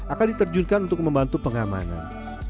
akan diterjunkan untuk membantu pengamanan